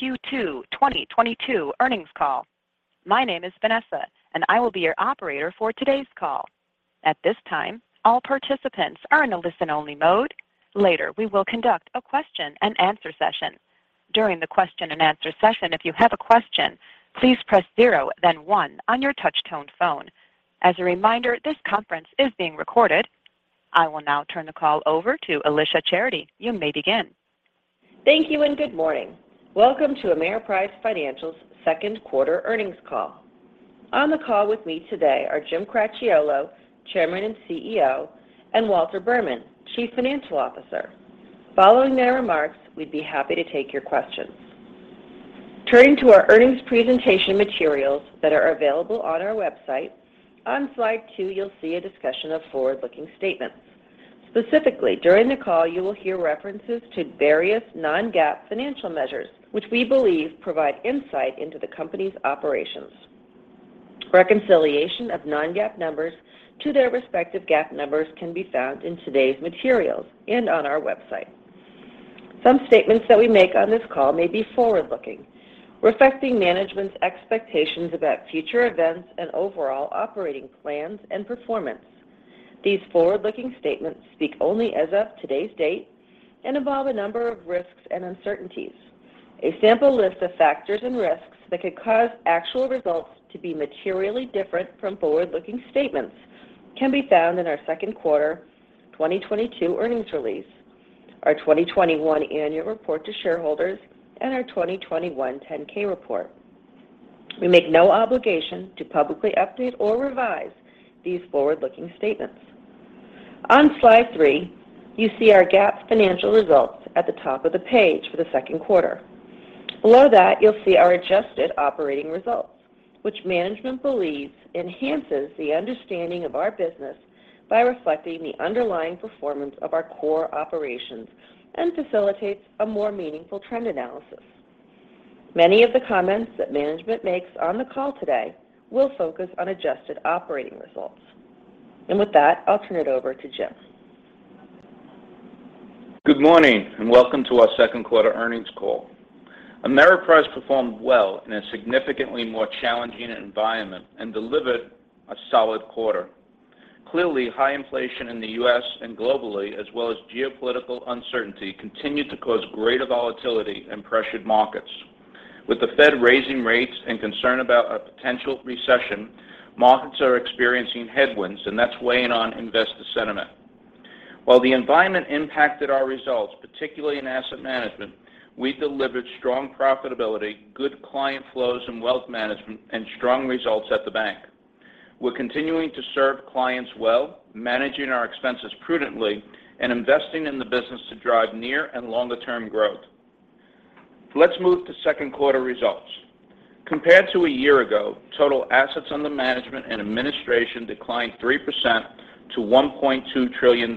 Q2 2022 earnings call. My name is Vanessa, and I will be your operator for today's call. At this time, all participants are in a listen-only mode. Later, we will conduct a question-and-answer session. During the question-and-answer session, if you have a question, please press zero then one on your touchtone phone. As a reminder, this conference is being recorded. I will now turn the call over to Alicia Charity. You may begin. Thank you and good morning. Welcome to Ameriprise Financial's Q2 earnings call. On the call with me today are Jim Cracchiolo, Chairman and CEO, and Walter Berman, Chief Financial Officer. Following their remarks, we'd be happy to take your questions. Turning to our earnings presentation materials that are available on our website, on slide two you'll see a discussion of forward-looking statements. Specifically, during the call, you will hear references to various non-GAAP financial measures, which we believe provide insight into the company's operations. Reconciliation of non-GAAP numbers to their respective GAAP numbers can be found in today's materials and on our website. Some statements that we make on this call may be forward-looking, reflecting management's expectations about future events and overall operating plans and performance. These forward-looking statements speak only as of today's date and involve a number of risks and uncertainties. A sample list of factors and risks that could cause actual results to be materially different from forward-looking statements can be found in our Q2 2022 earnings release, our 2021 Annual Report to Shareholders, and our 2021 10-K report. We make no obligation to publicly update or revise these forward-looking statements. On slide 3, you see our GAAP financial results at the top of the page for the Q2. Below that, you'll see our adjusted operating results, which management believes enhances the understanding of our business by reflecting the underlying performance of our core operations and facilitates a more meaningful trend analysis. Many of the comments that management makes on the call today will focus on adjusted operating results. With that, I'll turn it over to Jim. Good morning, and welcome to our Q2 earnings call. Ameriprise performed well in a significantly more challenging environment and delivered a solid quarter. Clearly, high inflation in the U.S. and globally, as well as geopolitical uncertainty, continued to cause greater volatility and pressured markets. With the Fed raising rates and concern about a potential recession, markets are experiencing headwinds, and that's weighing on investor sentiment. While the environment impacted our results, particularly in asset management, we delivered strong profitability, good client flows in wealth management, and strong results at the bank. We're continuing to serve clients well, managing our expenses prudently, and investing in the business to drive near and longer-term growth. Let's move to Q2 results. Compared to a year ago, total assets under management and administration declined 3% to $1.2 trillion.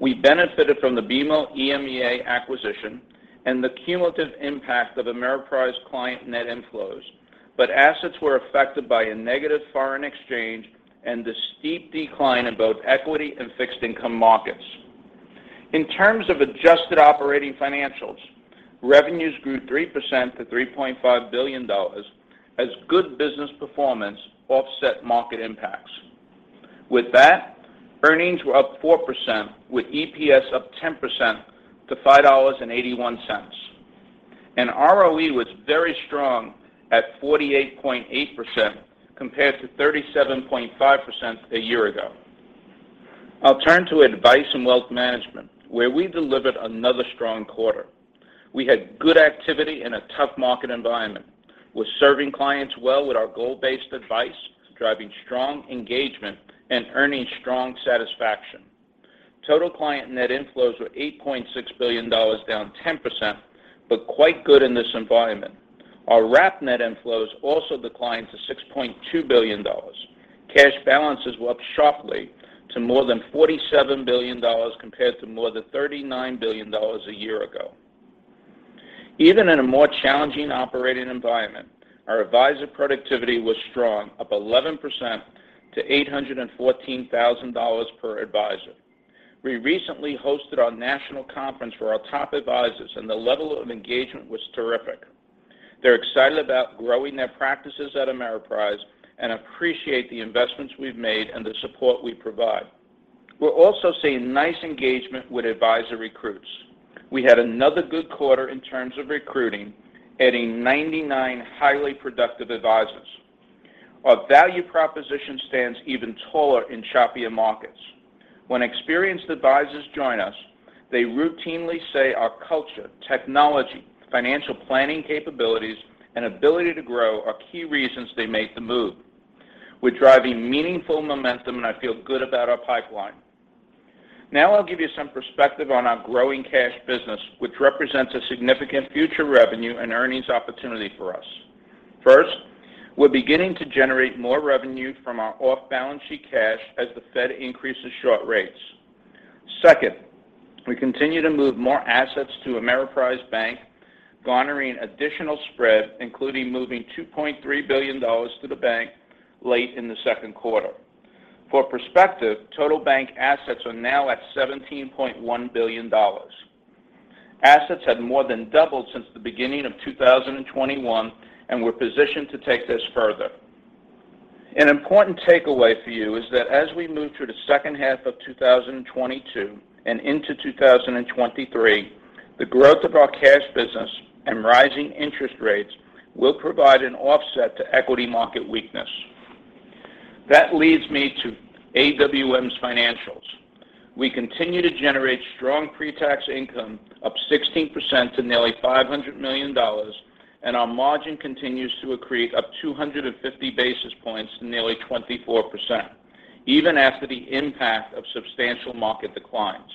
We benefited from the BMO EMEA acquisition and the cumulative impact of Ameriprise client net inflows, but assets were affected by a negative foreign exchange and the steep decline in both equity and fixed income markets. In terms of adjusted operating financials, revenues grew 3% to $3.5 billion as good business performance offset market impacts. With that, earnings were up 4%, with EPS up 10% to $5.81. ROE was very strong at 48.8% compared to 37.5% a year ago. I'll turn to Advice & Wealth Management, where we delivered another strong quarter. We had good activity in a tough market environment. We're serving clients well with our goal-based advice, driving strong engagement, and earning strong satisfaction. Total client net inflows were $8.6 billion, down 10%, but quite good in this environment. Our wrap net inflows also declined to $6.2 billion. Cash balances were up sharply to more than $47 billion compared to more than $39 billion a year ago. Even in a more challenging operating environment, our advisor productivity was strong, up 11% to $814,000 per advisor. We recently hosted our national conference for our top advisors, and the level of engagement was terrific. They're excited about growing their practices at Ameriprise and appreciate the investments we've made and the support we provide. We're also seeing nice engagement with advisor recruits. We had another good quarter in terms of recruiting, adding 99 highly productive advisors. Our value proposition stands even taller in choppier markets. When experienced advisors join us, they routinely say our culture, technology, financial planning capabilities, and ability to grow are key reasons they make the move. We're driving meaningful momentum, and I feel good about our pipeline. Now I'll give you some perspective on our growing cash business, which represents a significant future revenue and earnings opportunity for us. First, we're beginning to generate more revenue from our off-balance sheet cash as the Fed increases short rates. Second, we continue to move more assets to Ameriprise Bank, garnering additional spread, including moving $2.3 billion to the bank late in the Q2. For perspective, total bank assets are now at $17.1 billion. Assets have more than doubled since the beginning of 2021 and we're positioned to take this further. An important takeaway for you is that as we move through the second half of 2022 and into 2023, the growth of our cash business and rising interest rates will provide an offset to equity market weakness. That leads me to AWM's financials. We continue to generate strong pre-tax income up 16% to nearly $500 million, and our margin continues to accrete up 250 basis points to nearly 24% even after the impact of substantial market declines.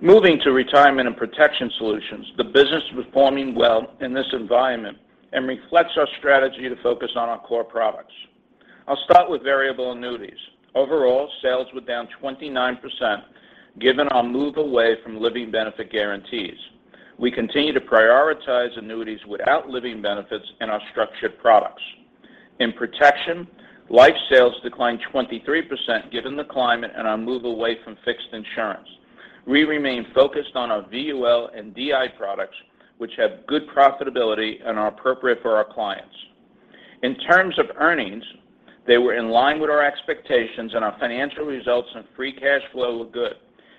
Moving to Retirement and Protection Solutions, the business was performing well in this environment and reflects our strategy to focus on our core products. I'll start with variable annuities. Overall, sales were down 29% given our move away from living benefit guarantees. We continue to prioritize annuities without living benefits in our structured products. In protection, life sales declined 23% given the climate and our move away from fixed insurance. We remain focused on our VUL and DI products, which have good profitability and are appropriate for our clients. In terms of earnings, they were in line with our expectations and our financial results and free cash flow were good,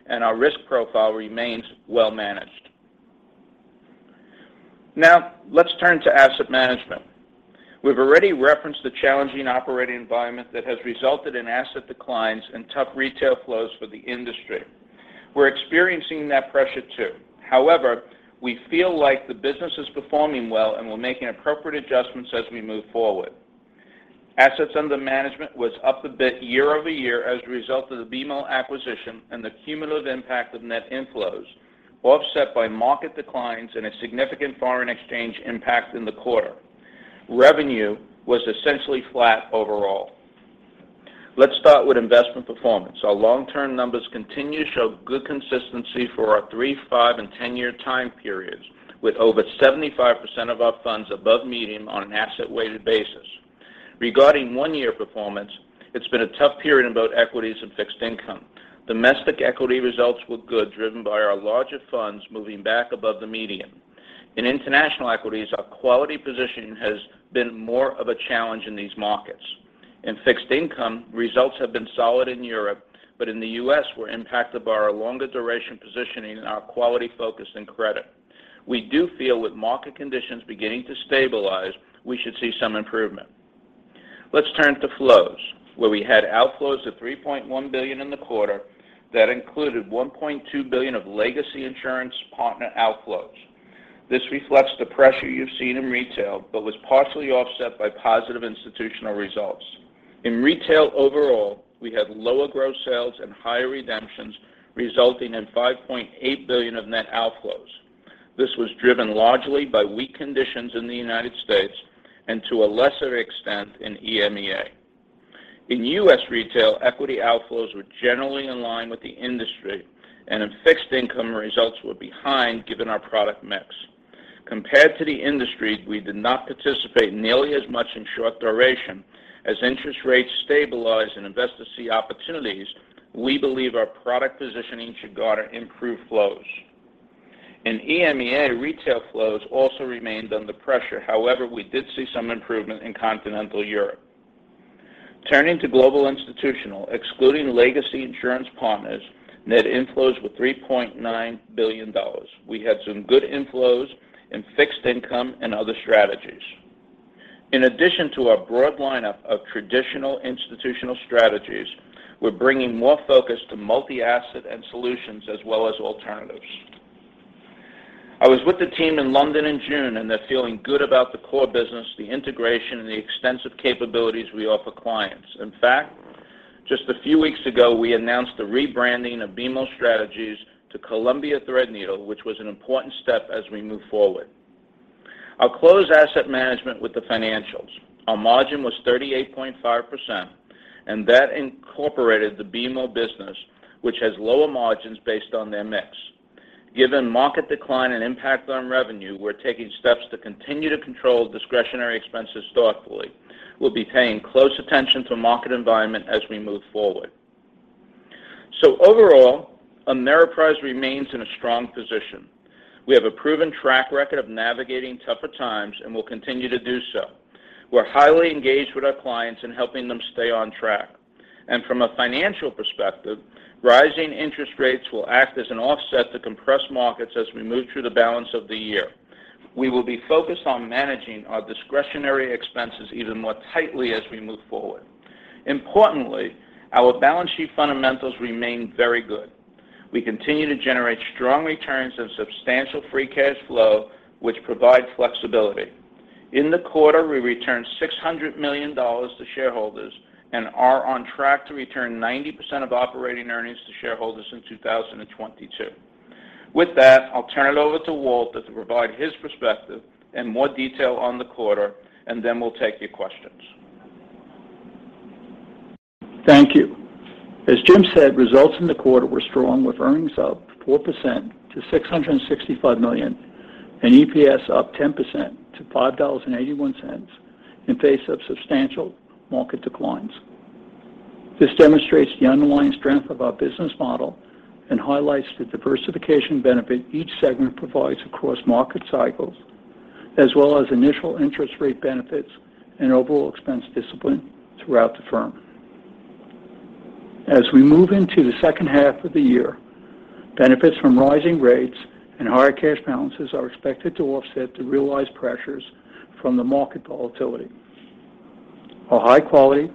and our risk profile remains well managed. Now, let's turn to Asset Management. We've already referenced the challenging operating environment that has resulted in asset declines and tough retail flows for the industry. We're experiencing that pressure too. However, we feel like the business is performing well, and we're making appropriate adjustments as we move forward. Assets under management was up a bit year-over-year as a result of the BMO acquisition and the cumulative impact of net inflows, offset by market declines and a significant foreign exchange impact in the quarter. Revenue was essentially flat overall. Let's start with investment performance. Our long-term numbers continue to show good consistency for our 3-, 5-, and 10-year time periods, with over 75% of our funds above median on an asset-weighted basis. Regarding 1-year performance, it's been a tough period in both equities and fixed income. Domestic equity results were good, driven by our larger funds moving back above the median. In international equities, our quality positioning has been more of a challenge in these markets. In fixed income, results have been solid in Europe, but in the U.S. were impacted by our longer duration positioning and our quality focus in credit. We do feel with market conditions beginning to stabilize, we should see some improvement. Let's turn to flows, where we had outflows of $3.1 billion in the quarter that included $1.2 billion of legacy insurance partner outflows. This reflects the pressure you've seen in retail but was partially offset by positive institutional results. In retail overall, we had lower gross sales and higher redemptions, resulting in $5.8 billion of net outflows. This was driven largely by weak conditions in the United States and to a lesser extent in EMEA. In U.S. retail, equity outflows were generally in line with the industry, and in fixed income, results were behind given our product mix. Compared to the industry, we did not participate nearly as much in short duration. As interest rates stabilize and investors see opportunities, we believe our product positioning should garner improved flows. In EMEA, retail flows also remained under pressure. However, we did see some improvement in Continental Europe. Turning to Global Institutional, excluding legacy insurance partners, net inflows were $3.9 billion. We had some good inflows in fixed income and other strategies. In addition to our broad lineup of traditional institutional strategies, we're bringing more focus to multi-asset and solutions as well as alternatives. I was with the team in London in June, and they're feeling good about the core business, the integration, and the extensive capabilities we offer clients. In fact, just a few weeks ago, we announced the rebranding of BMO Strategies to Columbia Threadneedle, which was an important step as we move forward. I'll close Asset Management with the financials. Our margin was 38.5%, and that incorporated the BMO business, which has lower margins based on their mix. Given market decline and impact on revenue, we're taking steps to continue to control discretionary expenses thoughtfully. We'll be paying close attention to market environment as we move forward. Overall, Ameriprise remains in a strong position. We have a proven track record of navigating tougher times and will continue to do so. We're highly engaged with our clients in helping them stay on track. From a financial perspective, rising interest rates will act as an offset to compressed markets as we move through the balance of the year. We will be focused on managing our discretionary expenses even more tightly as we move forward. Importantly, our balance sheet fundamentals remain very good. We continue to generate strong returns and substantial free cash flow, which provide flexibility. In the quarter, we returned $600 million to shareholders and are on track to return 90% of operating earnings to shareholders in 2022. With that, I'll turn it over to Walter to provide his perspective and more detail on the quarter, and then we'll take your questions. Thank you. As Jim said, results in the quarter were strong with earnings up 4% to $665 million and EPS up 10% to $5.81 in the face of substantial market declines. This demonstrates the underlying strength of our business model and highlights the diversification benefit each segment provides across market cycles, as well as initial interest rate benefits and overall expense discipline throughout the firm. As we move into the second half of the year, benefits from rising rates and higher cash balances are expected to offset the residual pressures from the market volatility. Our high quality,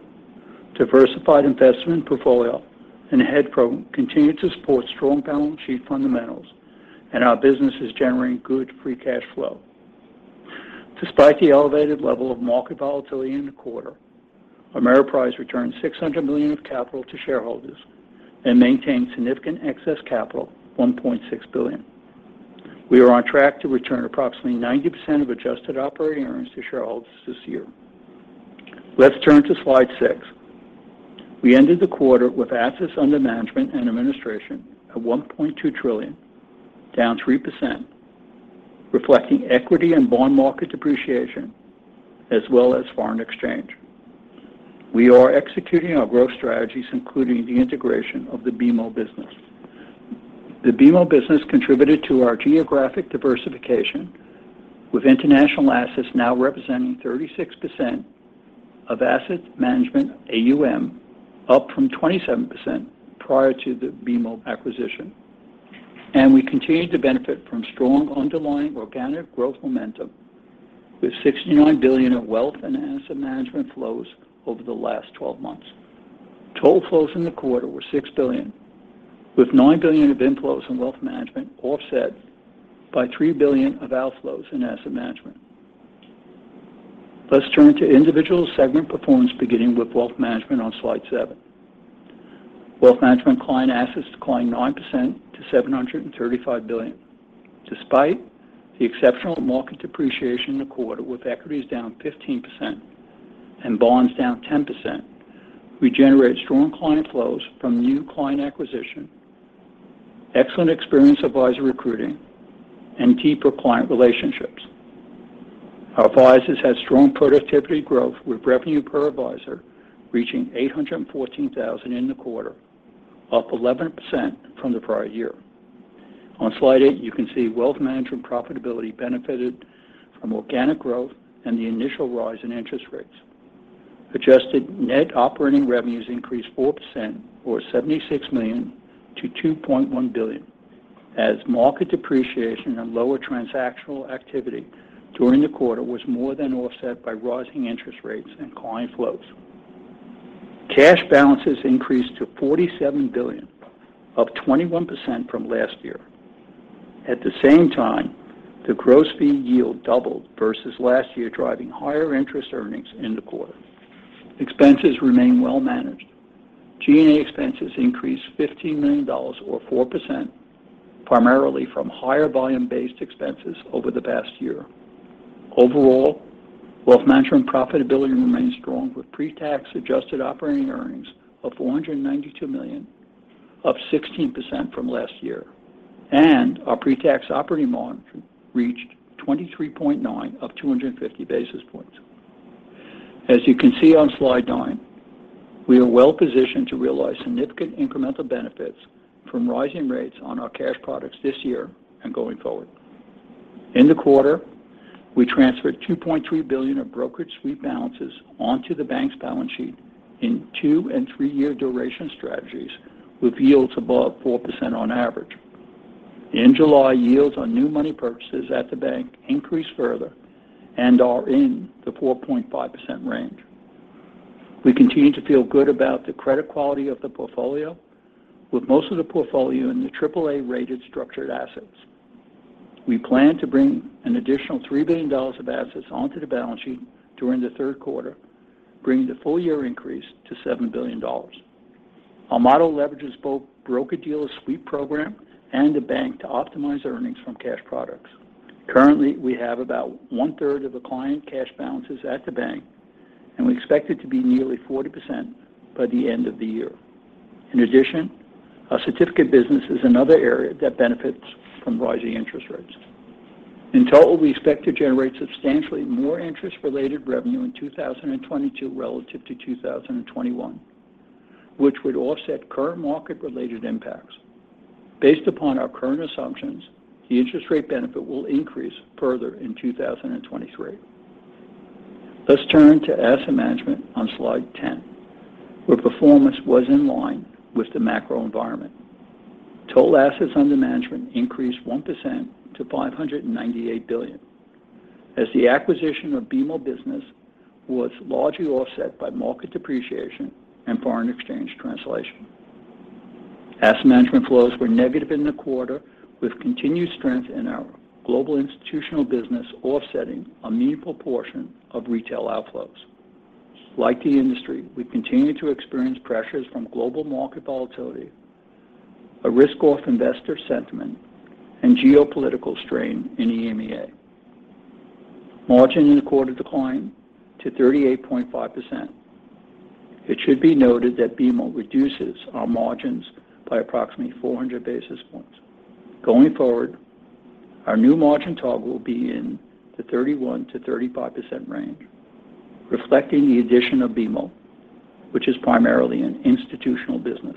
diversified investment portfolio and hedge program continue to support strong balance sheet fundamentals and our business is generating good free cash flow. Despite the elevated level of market volatility in the quarter, Ameriprise returned $600 million of capital to shareholders and maintained significant excess capital, $1.6 billion. We are on track to return approximately 90% of adjusted operating earnings to shareholders this year. Let's turn to slide 6. We ended the quarter with assets under management and administration at $1.2 trillion, down 3%, reflecting equity and bond market depreciation as well as foreign exchange. We are executing our growth strategies, including the integration of the BMO business. The BMO business contributed to our geographic diversification with international assets now representing 36% of asset management, AUM, up from 27% prior to the BMO acquisition. We continue to benefit from strong underlying organic growth momentum with $69 billion of wealth and asset management flows over the last 12 months. Total flows in the quarter were $6 billion, with $9 billion of inflows in wealth management offset by $3 billion of outflows in asset management. Let's turn to individual segment performance, beginning with wealth management on slide 7. Wealth management client assets declined 9% to $735 billion. Despite the exceptional market depreciation in the quarter, with equities down 15% and bonds down 10%, we generated strong client flows from new client acquisition, excellent experience advisor recruiting, and deeper client relationships. Our advisors had strong productivity growth with revenue per advisor reaching $814,000 in the quarter, up 11% from the prior year. On slide 8, you can see wealth management profitability benefited from organic growth and the initial rise in interest rates. Adjusted net operating revenues increased 4% or $76 million to $2.1 billion, as market depreciation and lower transactional activity during the quarter was more than offset by rising interest rates and client flows. Cash balances increased to $47 billion, up 21% from last year. At the same time, the gross fee yield doubled versus last year, driving higher interest earnings in the quarter. \ Expenses remain well managed. G&A expenses increased $15 million or 4%, primarily from higher volume-based expenses over the past year. Overall, wealth management profitability remained strong with pre-tax adjusted operating earnings of $492 million, up 16% from last year, and our pre-tax operating margin reached 23.9%, up 250 basis points. As you can see on slide 9, we are well positioned to realize significant incremental benefits from rising rates on our cash products this year and going forward. In the quarter, we transferred $2.3 billion of brokerage sweep balances onto the bank's balance sheet in 2- and 3-year duration strategies with yields above 4% on average. In July, yields on new money purchases at the bank increased further and are in the 4.5% range. We continue to feel good about the credit quality of the portfolio, with most of the portfolio in the AAA-rated structured assets. We plan to bring an additional $3 billion of assets onto the balance sheet during the Q3, bringing the full-year increase to $7 billion. Our model leverages both broker-dealer sweep program and the bank to optimize earnings from cash products. Currently, we have about 1/3 of the client cash balances at the bank, and we expect it to be nearly 40% by the end of the year. In addition, our certificate business is another area that benefits from rising interest rates. In total, we expect to generate substantially more interest-related revenue in 2022 relative to 2021, which would offset current market-related impacts. Based upon our current assumptions, the interest rate benefit will increase further in 2023. Let's turn to asset management on slide 10, where performance was in line with the macro environment. Total assets under management increased 1% to $598 billion as the acquisition of BMO business was largely offset by market depreciation and foreign exchange translation. Asset management flows were negative in the quarter, with continued strength in our global institutional business offsetting a meaningful portion of retail outflows. Like the industry, we continue to experience pressures from global market volatility, a risk-off investor sentiment, and geopolitical strain in EMEA. Margin in the quarter declined to 38.5%. It should be noted that BMO reduces our margins by approximately 400 basis points. Going forward, our new margin target will be in the 31%-35% range, reflecting the addition of BMO, which is primarily an institutional business.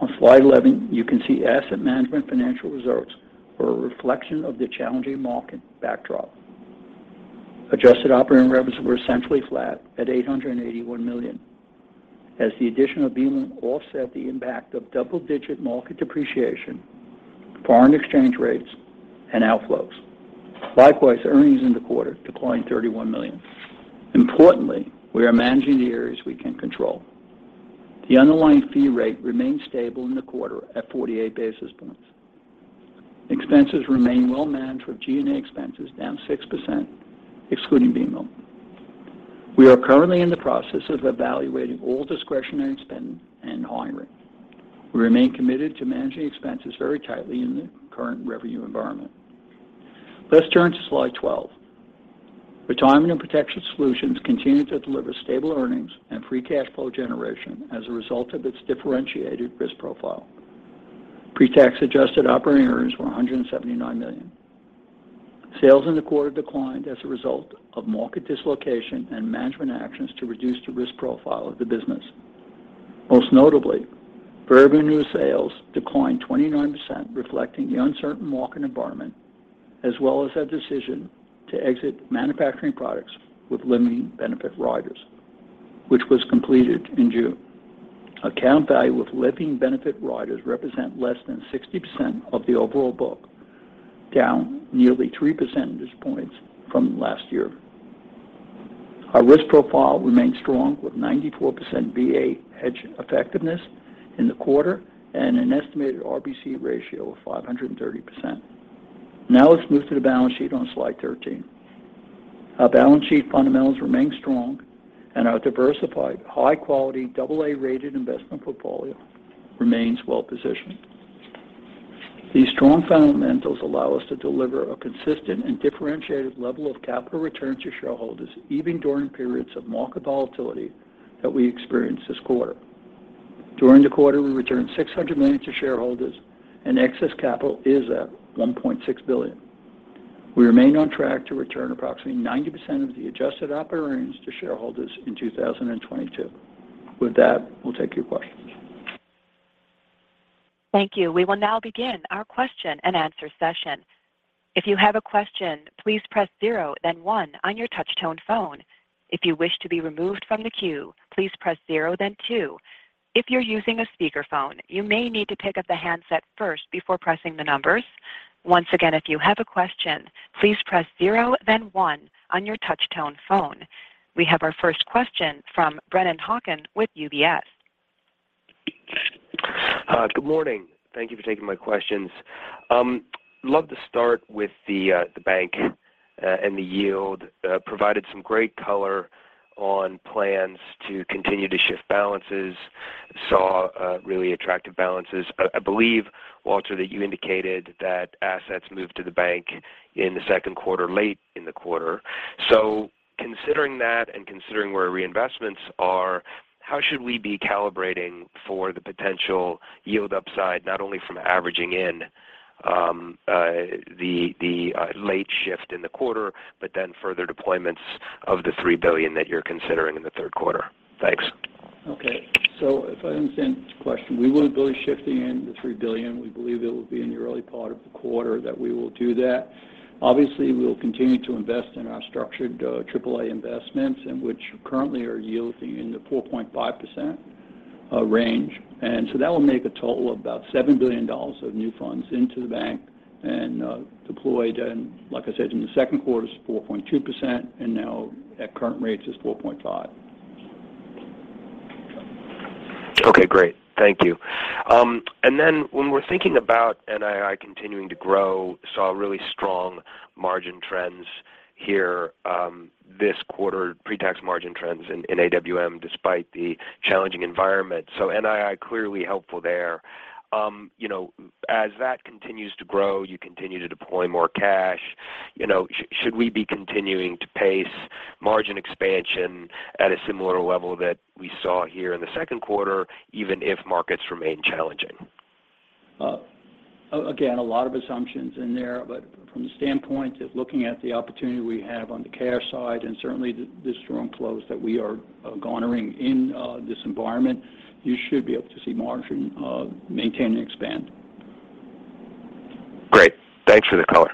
On slide 11, you can see asset management financial results were a reflection of the challenging market backdrop. Adjusted operating revenues were essentially flat at $881 million as the addition of BMO offset the impact of double-digit market depreciation, foreign exchange rates, and outflows. Likewise, earnings in the quarter declined $31 million. Importantly, we are managing the areas we can control. The underlying fee rate remained stable in the quarter at 48 basis points. Expenses remain well managed with G&A expenses down 6% excluding BMO. We are currently in the process of evaluating all discretionary spending and hiring. We remain committed to managing expenses very tightly in the current revenue environment. Let's turn to slide 12. Retirement & Protection Solutions continued to deliver stable earnings and free cash flow generation as a result of its differentiated risk profile. Pre-tax adjusted operating earnings were $179 million. Sales in the quarter declined as a result of market dislocation and management actions to reduce the risk profile of the business. Most notably, variable new sales declined 29%, reflecting the uncertain market environment, as well as our decision to exit manufacturing products with living benefit riders, which was completed in June. Account value with living benefit riders represent less than 60% of the overall book, down nearly 3 percentage points from last year. Our risk profile remains strong with 94% VA hedge effectiveness in the quarter and an estimated RBC ratio of 530%. Now let's move to the balance sheet on slide 13. Our balance sheet fundamentals remain strong and our diversified high-quality double A-rated investment portfolio remains well positioned. These strong fundamentals allow us to deliver a consistent and differentiated level of capital return to shareholders even during periods of market volatility that we experienced this quarter. During the quarter, we returned $600 million to shareholders and excess capital is at $1.6 billion. We remain on track to return approximately 90% of the adjusted operating earnings to shareholders in 2022. With that, we'll take your questions. Thank you. We will now begin our question and answer session. If you have a question, please press zero then one on your touch tone phone. If you wish to be removed from the queue, please press zero then two. If you're using a speakerphone, you may need to pick up the handset first before pressing the numbers. Once again, if you have a question, please press zero then one on your touch tone phone. We have our first question from Brennan Hawken with UBS. Good morning. Thank you for taking my questions. Love to start with the bank and the yield. Provided some great color on plans to continue to shift balances, saw really attractive balances. I believe, Walter, that you indicated that assets moved to the bank in the Q2, late in the quarter. Considering that and considering where reinvestments are, how should we be calibrating for the potential yield upside, not only from averaging in the late shift in the quarter, but then further deployments of the $3 billion that you're considering in the Q3? Thanks. Okay. If I understand this question, we will be shifting in the $3 billion. We believe it will be in the early part of the quarter that we will do that. Obviously, we will continue to invest in our structured triple-A investments which currently are yielding in the 4.5% range. That will make a total of about $7 billion of new funds into the bank and deployed. Like I said, in the Q2 is 4.2%, and now at current rates is 4.5%. Okay, great. Thank you. When we're thinking about NII continuing to grow, saw really strong margin trends here, this quarter, pre-tax margin trends in AWM despite the challenging environment. NII clearly helpful there. You know, as that continues to grow, you continue to deploy more cash. You know, should we be continuing to pace margin expansion at a similar level that we saw here in the Q2, even if markets remain challenging? Again, a lot of assumptions in there, but from the standpoint of looking at the opportunity we have on the cash side and certainly the strong flows that we are garnering in this environment, you should be able to see margins maintain and expand. Great. Thanks for the color.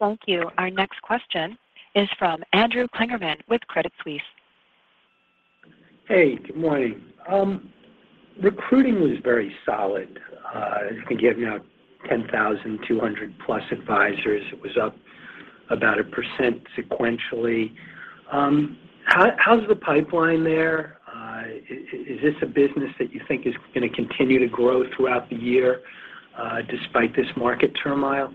Thank you. Our next question is from Andrew Kligerman with Credit Suisse. Hey, good morning. Recruiting was very solid. I think you have now 10,200+ advisors. It was up about 1% sequentially. How's the pipeline there? Is this a business that you think is going to continue to grow throughout the year, despite this market turmoil?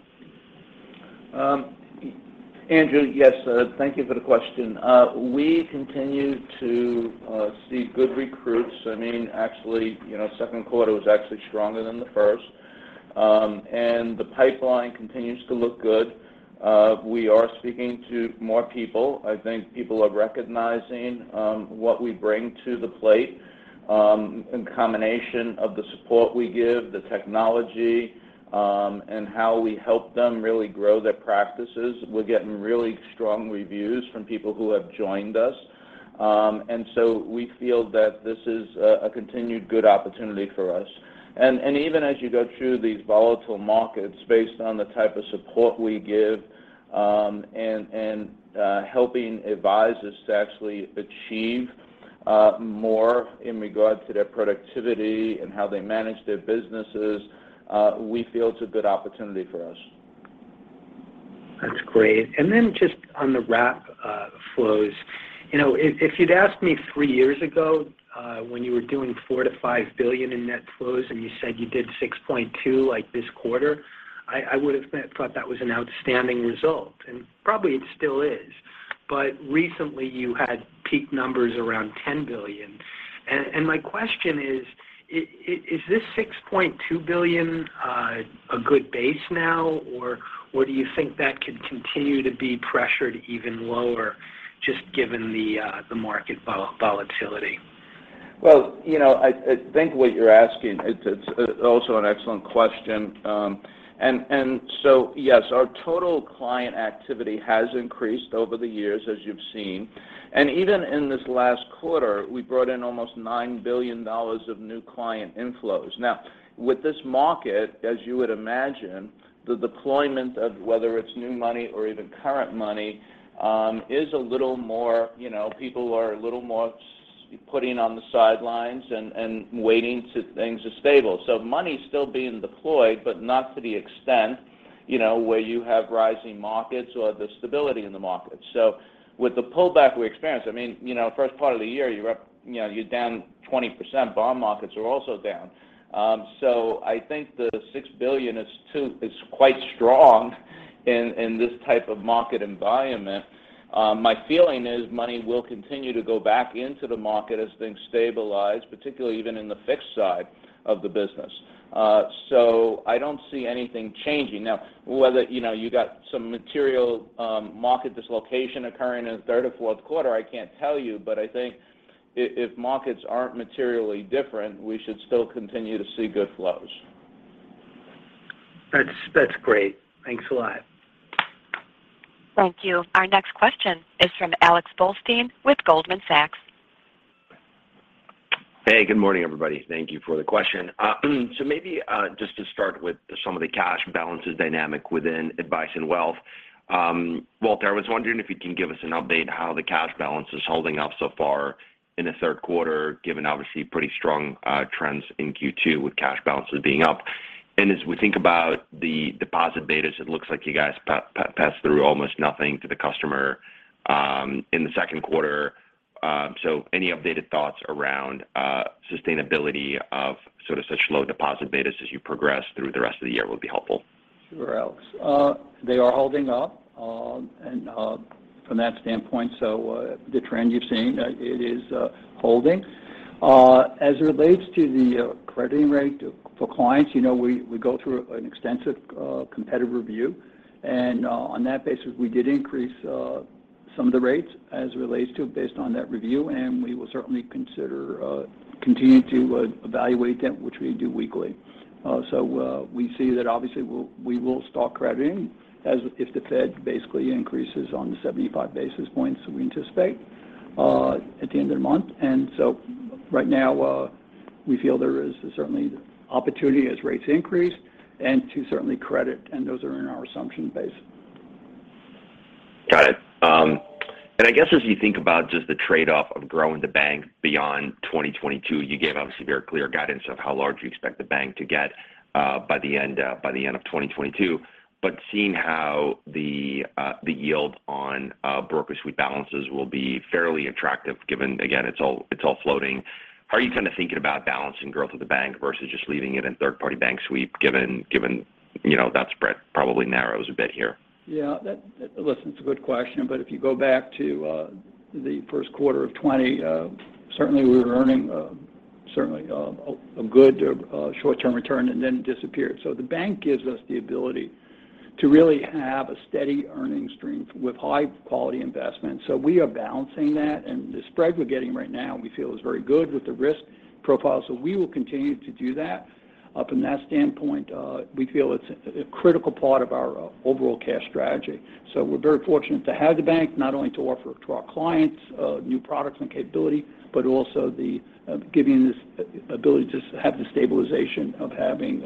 Um- Andrew, yes, thank you for the question. We continue to see good recruits. I mean, actually, you know, Q2 was actually stronger than the first. The pipeline continues to look good. We are speaking to more people. I think people are recognizing what we bring to the table in combination of the support we give, the technology, and how we help them really grow their practices. We're getting really strong reviews from people who have joined us. We feel that this is a continued good opportunity for us. Even as you go through these volatile markets, based on the type of support we give, helping advisors to actually achieve more in regards to their productivity and how they manage their businesses, we feel it's a good opportunity for us. That's great. Just on the wrap flows. You know, if you'd asked me three years ago, when you were doing $4 billion-$5 billion in net flows, and you said you did $6.2 billion like this quarter, I would've thought that was an outstanding result, and probably it still is. Recently you had peak numbers around $10 billion. My question is this $6.2 billion a good base now? Or do you think that could continue to be pressured even lower just given the market volatility? Well, you know, I think what you're asking it's also an excellent question. Yes, our total client activity has increased over the years, as you've seen. Even in this last quarter, we brought in almost $9 billion of new client inflows. Now with this market, as you would imagine, the deployment of whether it's new money or even current money is a little more, you know, people are a little more sitting on the sidelines and waiting for things to stabilize. Money's still being deployed, but not to the extent, you know, where you have rising markets or the stability in the market. With the pullback we experienced, I mean, you know, first part of the year, you're up, you know, you're down 20%, bond markets are also down. I think the $6 billion is quite strong in this type of market environment. My feeling is money will continue to go back into the market as things stabilize, particularly even in the fixed side of the business. I don't see anything changing. Now, whether you know you got some material market dislocation occurring in the Q3 or Q4, I can't tell you, but I think if markets aren't materially different, we should still continue to see good flows. That's great. Thanks a lot. Thank you. Our next question is from Alex Blostein with Goldman Sachs. Hey, good morning, everybody. Thank you for the question. So maybe just to start with some of the cash balances dynamics within Advice and Wealth. Walter, I was wondering if you can give us an update how the cash balance is holding up so far in the Q3, given obviously pretty strong trends in Q2 with cash balances being up. As we think about the deposit betas, it looks like you guys passed through almost nothing to the customer in the Q2. Any updated thoughts around sustainability of sort of such low deposit betas as you progress through the rest of the year would be helpful. Sure, Alex Blostein. They are holding up from that standpoint. The trend you're seeing it is holding. As it relates to the crediting rate for clients, you know, we go through an extensive competitive review. On that basis, we did increase some of the rates as it relates to based on that review, and we will certainly consider continue to evaluate that, which we do weekly. We see that obviously we will start crediting as if the Fed basically increases on the 75 basis points we anticipate at the end of the month. Right now, we feel there is certainly opportunity as rates increase and to certainly credit, and those are in our assumption base. Got it. And I guess as you think about just the trade-off of growing the bank beyond 2022, you gave obviously very clear guidance of how large you expect the bank to get by the end of 2022. Seeing how the yield on broker sweep balances will be fairly attractive given again, it's all floating, how are you kind of thinking about balancing growth of the bank versus just leaving it in third-party bank sweep given you know that spread probably narrows a bit here? Listen, it's a good question, but if you go back to the Q1 of 2020, certainly we were earning a good short-term return and then it disappeared. The bank gives us the ability to really have a steady earning stream with high-quality investments. We are balancing that, and the spread we're getting right now we feel is very good with the risk profile. We will continue to do that. From that standpoint, we feel it's a critical part of our overall cash strategy. We're very fortunate to have the bank not only to offer to our clients new products and capability, but also giving this ability to have the stabilization of having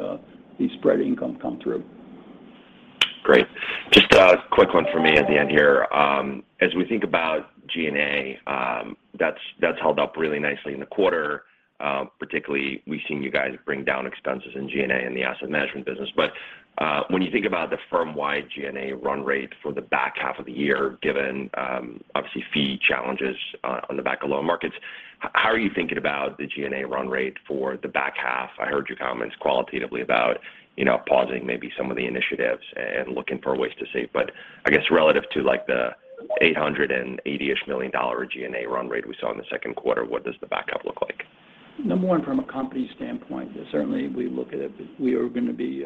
the spread income come through. Great. Just a quick one for me at the end here. As we think about G&A, that's held up really nicely in the quarter. Particularly we've seen you guys bring down expenses in G&A in the asset management business. When you think about the firm-wide G&A run rate for the back half of the year, given obviously fee challenges on the back of loan markets. How are you thinking about the G&A run rate for the back half? I heard your comments qualitatively about, you know, pausing maybe some of the initiatives and looking for ways to save. I guess relative to, like, the $880 million-ish G&A run rate we saw in the Q2, what does the back half look like? Number one, from a company standpoint, certainly we look at it as we are going to be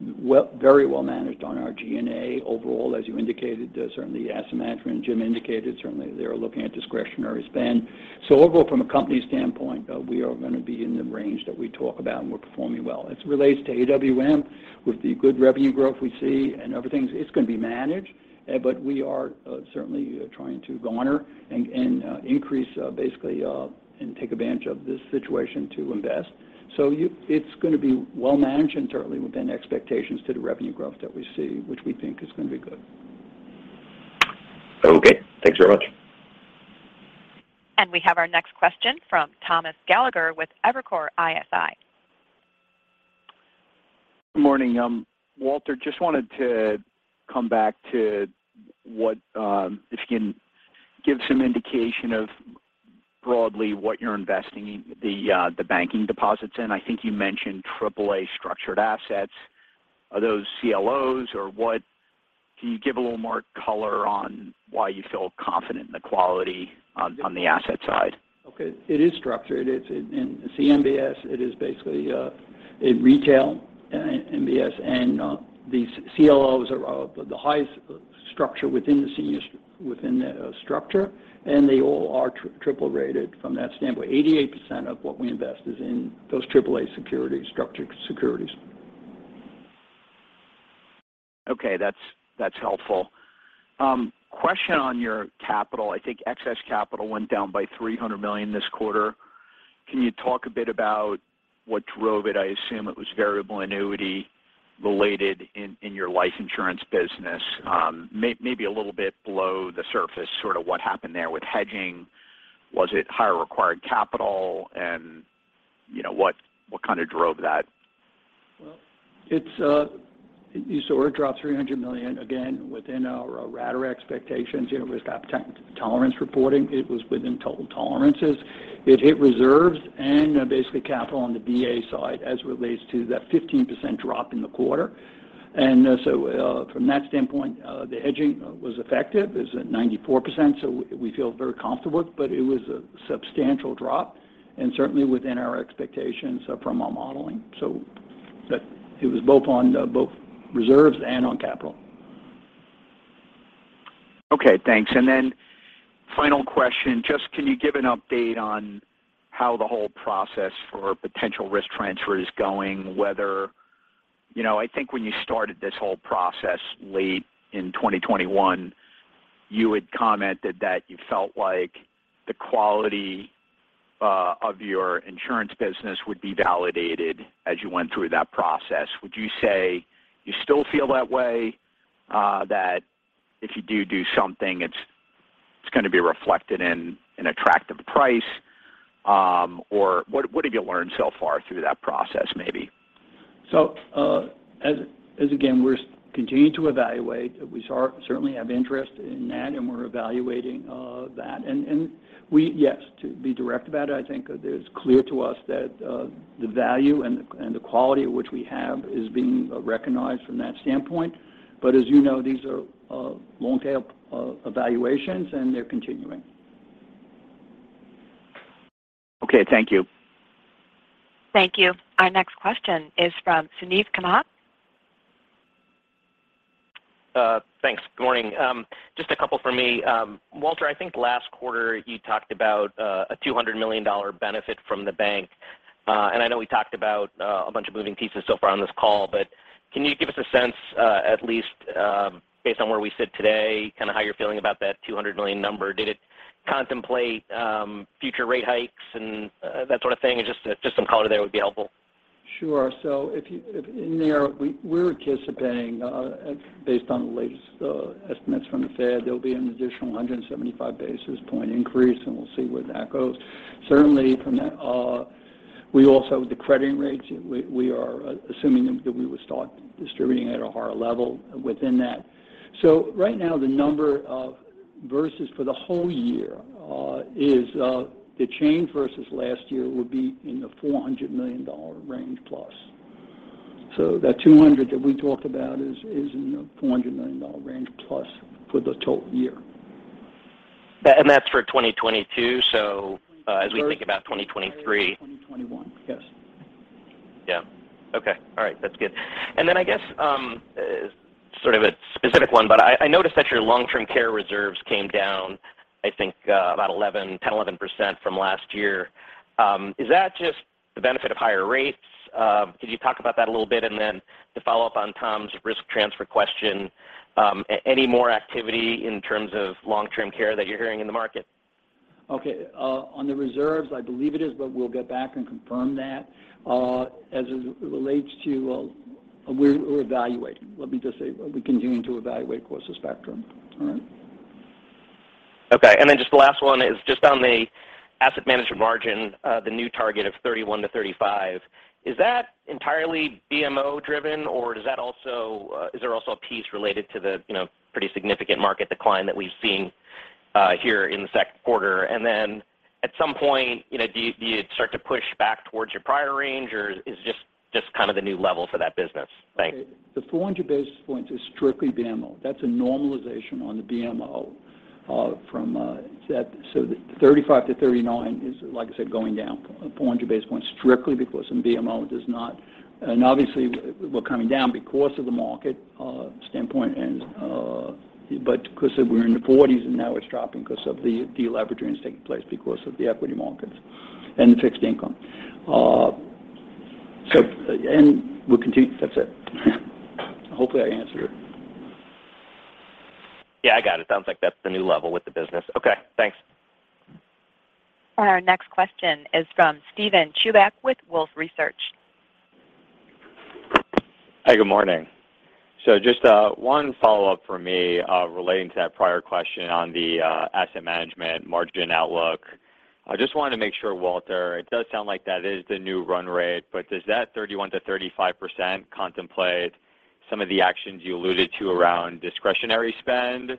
very well managed on our G&A overall, as you indicated. Certainly Asset Management, Jim indicated, certainly they are looking at discretionary spend. Overall from a company standpoint, we are going to be in the range that we talk about, and we're performing well. As it relates to AWM, with the good revenue growth we see and other things, it's going to be managed. But we are certainly trying to garner and increase basically and take advantage of this situation to invest. It's going to be well managed and certainly within expectations to the revenue growth that we see, which we think is going to be good. Okay. Thanks very much. We have our next question from Tom Gallagher with Evercore ISI. Good morning. Walter, just wanted to come back to what, if you can give some indication of broadly what you're investing in the banking deposits in. I think you mentioned AAA structured assets. Are those CLOs or what? Can you give a little more color on why you feel confident in the quality on the asset side? Okay. It is structured. It's in CMBS. It is basically in retail in MBS. These CLOs are the highest structure within the seniors within that structure. They all are triple rated from that standpoint. 88% of what we invest is in those AAA securities, structured securities. Okay. That's helpful. Question on your capital. I think excess capital went down by $300 million this quarter. Can you talk a bit about what drove it? I assume it was variable annuity related in your life insurance business. Maybe a little bit below the surface, sort of what happened there with hedging. Was it higher required capital? You know, what kind of drove that? Well, as you saw it drop $300 million, again, within our rata expectations. You know, with that tolerance reporting, it was within total tolerances. It hit reserves and basically capital on the VA side as it relates to that 15% drop in the quarter. From that standpoint, the hedging was effective. It was at 94%, so we feel very comfortable. It was a substantial drop and certainly within our expectations from our modeling. That it was both on reserves and on capital. Okay, thanks. Final question, just can you give an update on how the whole process for potential risk transfer is going? You know, I think when you started this whole process late in 2021, you had commented that you felt like the quality of your insurance business would be validated as you went through that process. Would you say you still feel that way, that if you do something, it's gonna be reflected in an attractive price? Or what have you learned so far through that process, maybe? We're continuing to evaluate, certainly have interest in that and we're evaluating that. Yes, to be direct about it, I think it is clear to us that the value and the quality of which we have is being recognized from that standpoint. As you know, these are long tail evaluations, and they're continuing. Okay, thank you. Thank you. Our next question is from Suneet Kamath. Thanks. Good morning. Just a couple from me. Walter, I think last quarter you talked about a $200 million benefit from the bank. I know we talked about a bunch of moving pieces so far on this call, but can you give us a sense, at least, based on where we sit today, kind of how you're feeling about that $200 million number? Did it contemplate future rate hikes and that sort of thing? Just some color there would be helpful. Sure. In there, we're anticipating, based on the latest estimates from the Fed, there'll be an additional 175 basis point increase, and we'll see where that goes. Certainly from that, we also, the crediting rates, we're assuming that we would start distributing at a higher level within that. Right now, the NII versus for the whole year is the change versus last year would be in the $400 million range plus. That $200 that we talked about is in the $400 million range plus for the total year. That's for 2022. As we think about 2023. 2023 or 2021. Yes. Yeah. Okay. All right. That's good. Then I guess sort of a specific one, but I noticed that your long-term care reserves came down, I think about 10-11% from last year. Is that just the benefit of higher rates? Could you talk about that a little bit? To follow up on Tom's risk transfer question, any more activity in terms of long-term care that you're hearing in the market? Okay. On the reserves, I believe it is, but we'll get back and confirm that. As it relates to, we're evaluating. Let me just say we're continuing to evaluate across the spectrum. All right. Okay. Just the last one is just on the asset management margin, the new target of 31%-35%. Is that entirely BMO driven or is there also a piece related to the, you know, pretty significant market decline that we've seen? Here in the Q2. At some point, you know, do you start to push back towards your prior range or is just kind of the new level for that business? Thanks. The 400 basis points is strictly BMO. That's a normalization on the BMO from that so that 35-39 is, like I said, going down 400 basis points strictly because in BMO it does not. Obviously we're coming down because of the market standpoint, but because we're in the 40s, and now it's dropping because of the deleveraging that's taking place because of the equity markets and the fixed income. We'll continue. That's it. Hopefully, I answered it. Yeah, I got it. Sounds like that's the new level with the business. Okay. Thanks. Our next question is from Steven Chubak with Wolfe Research. Hi, good morning. Just one follow-up for me, relating to that prior question on the asset management margin outlook. I just wanted to make sure, Walter, it does sound like that is the new run rate, but does that 31%-35% contemplate some of the actions you alluded to around discretionary spend?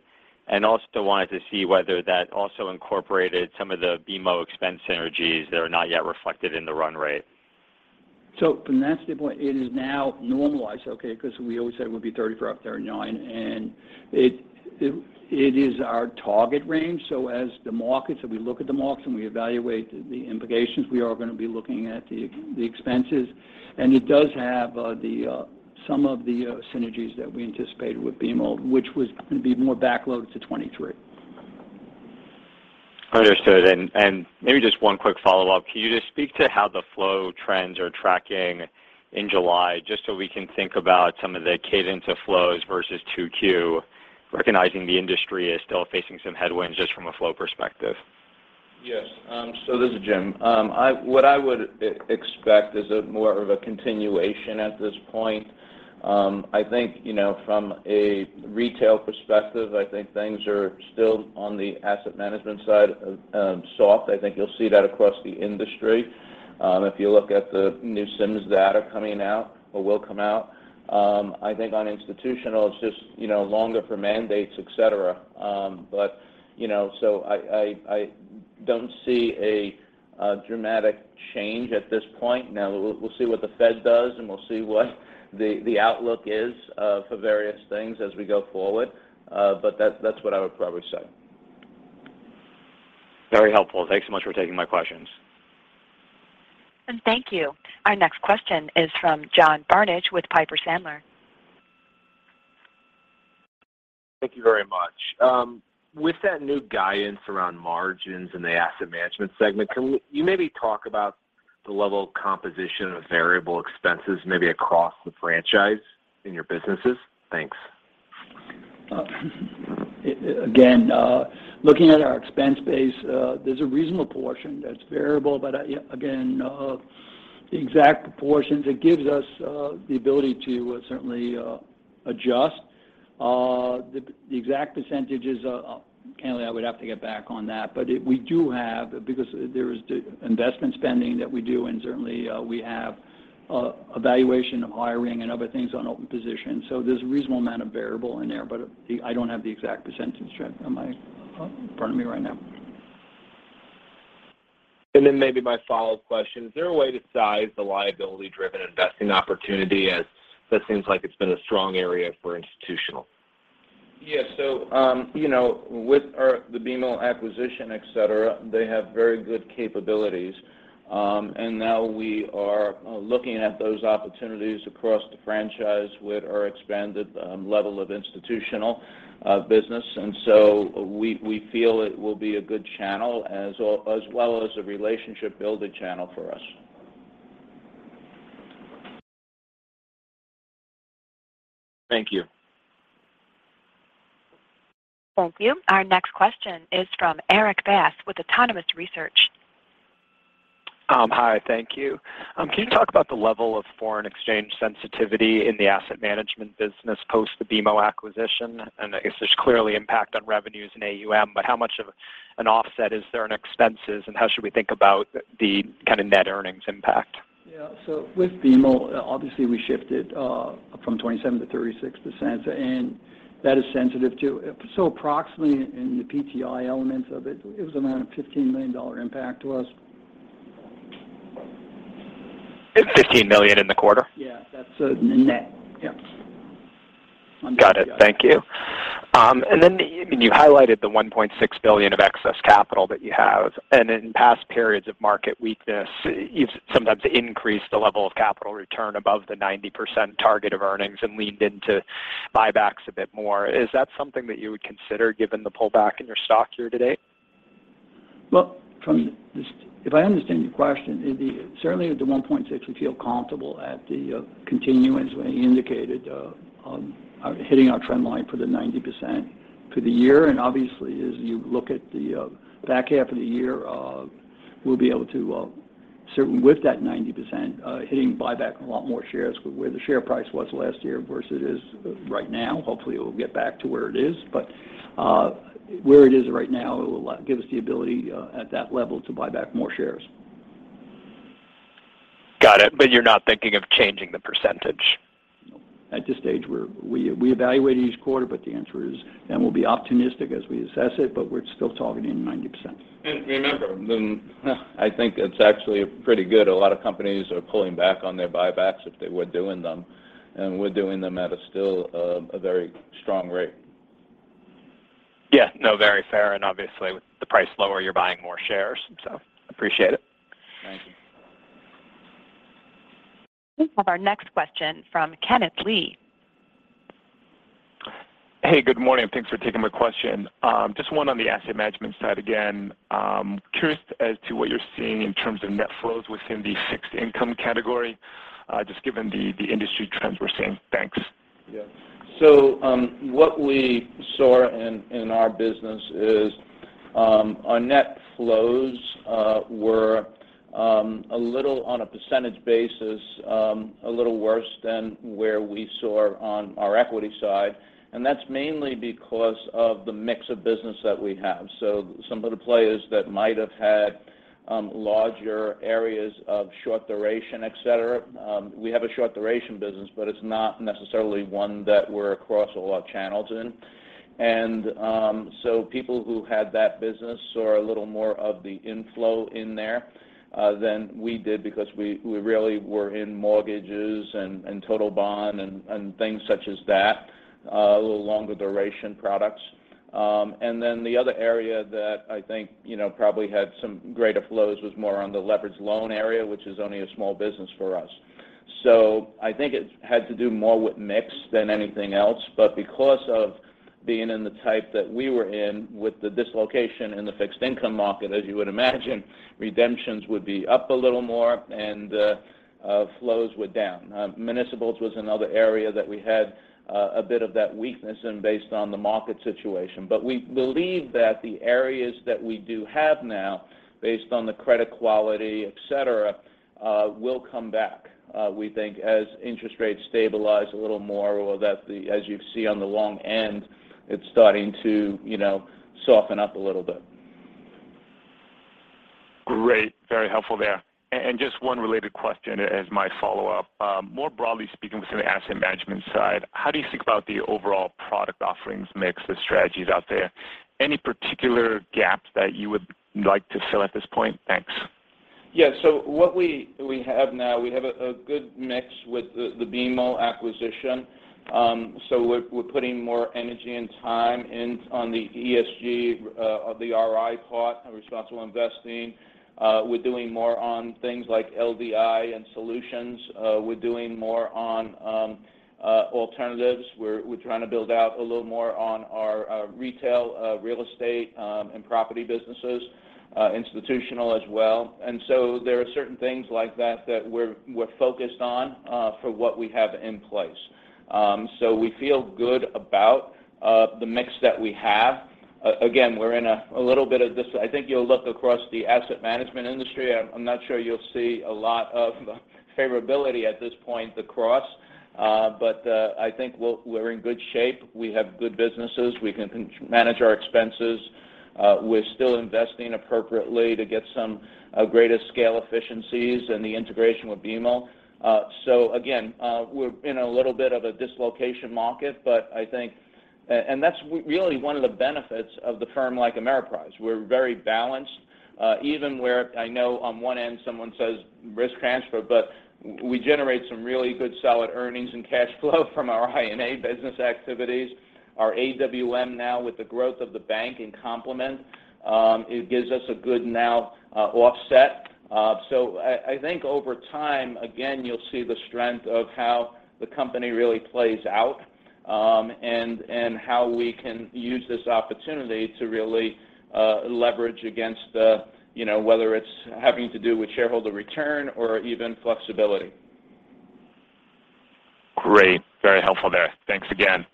Also wanted to see whether that also incorporated some of the BMO expense synergies that are not yet reflected in the run rate. From that standpoint, it is now normalized, okay, because we always said it would be 34, up to 39. It is our target range. As we look at the markets and we evaluate the implications, we are going to be looking at the expenses. It does have some of the synergies that we anticipate with BMO, which was going to be more backloaded to 2023. Understood. Maybe just one quick follow-up. Can you just speak to how the flow trends are tracking in July, just so we can think about some of the cadence of flows versus 2Q, recognizing the industry is still facing some headwinds just from a flow perspective? Yes. So this is Jim. What I would expect is more of a continuation at this point. I think, you know, from a retail perspective, I think things are still on the asset management side, soft. I think you'll see that across the industry. If you look at the new SIMFUND data coming out or will come out, I think on institutional, it's just, you know, longer for mandates, et cetera. You know, I don't see a dramatic change at this point. Now we'll see what the Fed does, and we'll see what the outlook is, for various things as we go forward. That's what I would probably say. Very helpful. Thanks so much for taking my questions. Thank you. Our next question is from John Barnidge with Piper Sandler. Thank you very much. With that new guidance around margins in the asset management segment, can you maybe talk about the level of composition of variable expenses, maybe across the franchise in your businesses? Thanks. Looking at our expense base, there's a reasonable portion that's variable. Again, the exact proportions, it gives us the ability to certainly adjust. The exact percentages, candidly, I would have to get back on that. We do have because there is investment spending that we do, and certainly, we have evaluation of hiring and other things on open positions. There's a reasonable amount of variable in there, but I don't have the exact percentage in front of me right now. Maybe my follow-up question. Is there a way to size the liability-driven investing opportunity as that seems like it's been a strong area for institutional? Yes. You know, with the BMO acquisition, et cetera, they have very good capabilities. Now we are looking at those opportunities across the franchise with our expanded level of institutional business. We feel it will be a good channel as well as a relationship building channel for us. Thank you. Thank you. Our next question is from Erik Bass with Autonomous Research. Hi. Thank you. Can you talk about the level of foreign exchange sensitivity in the asset management business post the BMO acquisition? I guess there's clearly impact on revenues in AUM, but how much of an offset is there in expenses, and how should we think about the kind of net earnings impact? Yeah. With BMO, obviously we shifted from 27% to 36%, and that is sensitive too. Approximately in the PTI elements of it was around a $15 million impact to us. $15 million in the quarter? Yeah. That's the net. Yeah. Got it. Thank you. You highlighted the $1.6 billion of excess capital that you have. In past periods of market weakness, you've sometimes increased the level of capital return above the 90% target of earnings and leaned into buybacks a bit more. Is that something that you would consider given the pullback in your stock here today? Well, from this, if I understand your question, in the certainly with the 1.6, we feel comfortable at the continuance we indicated on hitting our trend line for the 90% for the year. Obviously, as you look at the back half of the year, we'll be able to certainly with that 90%, hitting buyback a lot more shares with where the share price was last year versus it is right now. Hopefully, it will get back to where it is, but where it is right now, it will give us the ability at that level to buy back more shares. Got it. You're not thinking of changing the percentage? At this stage we evaluate each quarter, but the answer is. We'll be optimistic as we assess it, but we're still targeting 90%. Remember, then, I think it's actually pretty good. A lot of companies are pulling back on their buybacks if they were doing them, and we're doing them at a still, a very strong rate. Yeah. No, very fair. Obviously with the price lower, you're buying more shares, so appreciate it. Thank you. We have our next question from Kenneth Lee. Hey, good morning, and thanks for taking my question. Just one on the asset management side again. Curious as to what you're seeing in terms of net flows within the fixed income category, just given the industry trends we're seeing. Thanks. Yeah. What we saw in our business is our net flows were a little on a percentage basis a little worse than where we saw on our equity side, and that's mainly because of the mix of business that we have. Some of the players that might have had larger areas of short duration, et cetera, we have a short duration business, but it's not necessarily one that we're across a lot of channels in. People who had that business saw a little more of the inflow in there than we did because we really were in mortgages and total bond and things such as that a little longer duration products. The other area that I think, you know, probably had some greater flows was more on the leveraged loan area, which is only a small business for us. I think it had to do more with mix than anything else. Because of being in the type that we were in with the dislocation in the fixed income market, as you would imagine, redemptions would be up a little more and flows were down. Municipals was another area that we had a bit of that weakness in based on the market situation. We believe that the areas that we do have now, based on the credit quality, et cetera, will come back, we think as interest rates stabilize a little more or as you see on the long end, it's starting to, you know, soften up a little bit. Great. Very helpful there. Just one related question as my follow-up. More broadly speaking within the asset management side, how do you think about the overall product offerings mix, the strategies out there? Any particular gaps that you would like to fill at this point? Thanks. Yeah. What we have now, we have a good mix with the BMO acquisition. We're putting more energy and time in on the ESG of the RI part and responsible investing. We're doing more on things like LDI and solutions. We're doing more on alternatives. We're trying to build out a little more on our retail real estate and property businesses, institutional as well. There are certain things like that that we're focused on for what we have in place. We feel good about the mix that we have. Again, we're in a little bit of this. I think you'll look across the asset management industry. I'm not sure you'll see a lot of favorability at this point across. I think we're in good shape. We have good businesses. We can control our expenses. We're still investing appropriately to get some greater scale efficiencies in the integration with BMO. We're in a little bit of a dislocated market, but I think, and that's really one of the benefits of the firm like Ameriprise. We're very balanced, even where I know on one end someone says risk transfer, but we generate some really good solid earnings and cash flow from our I&A business activities. Our AWM now with the growth of the bank in complement, it gives us a good offset. I think over time, again, you'll see the strength of how the company really plays out, and how we can use this opportunity to really leverage against the, you know, whether it's having to do with shareholder return or even flexibility. Great. Very helpful there. Thanks again.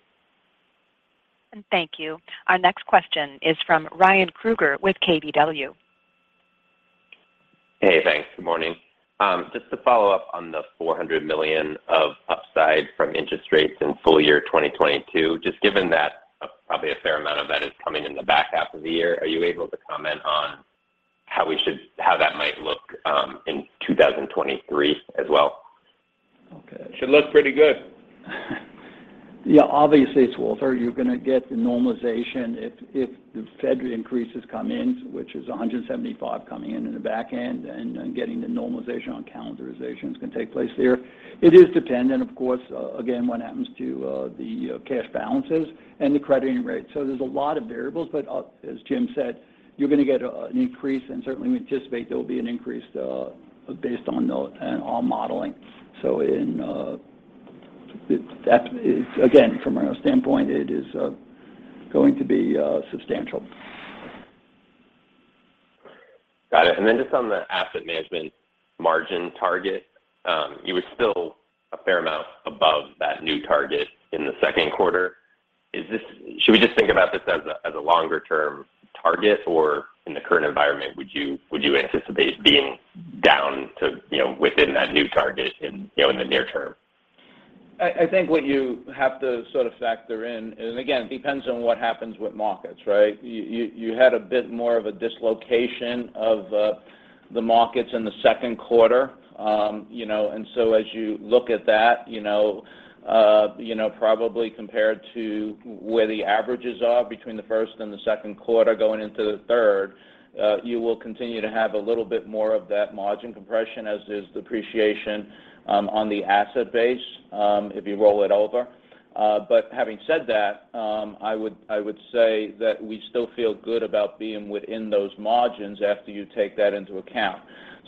Thank you. Our next question is from Ryan Krueger with KBW. Hey, thanks. Good morning. Just to follow up on the $400 million of upside from interest rates in full year 2022. Just given that, probably a fair amount of that is coming in the back half of the year, are you able to comment on how that might look in 2023 as well? Okay. It should look pretty good. Yeah. Obviously, it's Walter. You're gonna get the normalization if the Fed increases come in, which is 175 coming in in the back end, and getting the normalization on calendarization is going to take place there. It is dependent, of course, again, what happens to the cash balances and the crediting rates. There's a lot of variables, but as Jim said, you're gonna get an increase, and certainly we anticipate there will be an increase based on our modeling. That is again, from our standpoint, it is going to be substantial. Got it. Just on the asset management margin target, you were still a fair amount above that new target in the Q2. Should we just think about this as a longer term target, or in the current environment, would you anticipate being down to, you know, within that new target in, you know, in the near term? I think what you have to sort of factor in, and again, it depends on what happens with markets, right? You had a bit more of a dislocation of the markets in the Q2. You know, and so as you look at that, you know, probably compared to where the averages are between the first and the Q2 going into the third, you will continue to have a little bit more of that margin compression, as in depreciation on the asset base, if you roll it over. Having said that, I would say that we still feel good about being within those margins after you take that into account.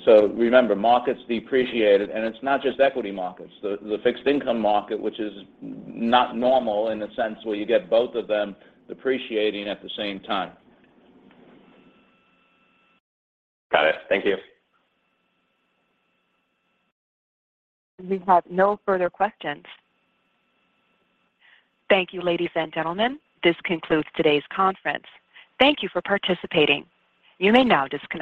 Remember, markets depreciated, and it's not just equity markets. The fixed income market, which is not normal in a sense where you get both of them depreciating at the same time. Got it. Thank you. We have no further questions. Thank you, ladies and gentlemen. This concludes today's conference. Thank you for participating. You may now disconnect.